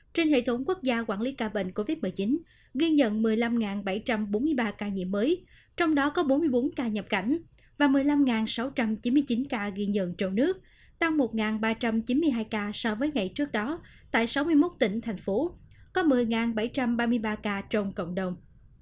trên hệ thống quốc gia quản lý ca bệnh covid một mươi chín ghi nhận một mươi năm bảy trăm bốn mươi ba ca nhiễm mới trong đó có bốn mươi bốn ca nhập cảnh và một mươi năm sáu trăm chín mươi chín ca ghi nhận trong nước tăng một ba trăm chín mươi hai ca so với ngày trước đó tại sáu mươi một tỉnh thành phố có một mươi bảy trăm ba mươi ba ca trong cộng đồng